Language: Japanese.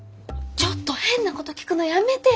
ちょっと変なこと聞くのやめてよ！